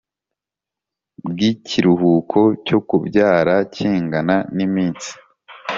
bw ikiruhuko cyo kubyara kingana n iminsi